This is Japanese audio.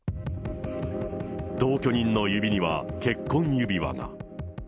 同居人の指には結婚指輪が。